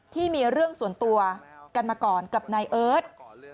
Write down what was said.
ที่มีเรื่องส่วนตัวกันมาก่อนกับนายเอิร์ท